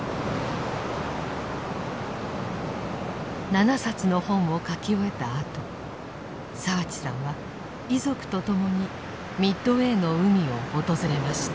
７冊の本を書き終えたあと澤地さんは遺族と共にミッドウェーの海を訪れました。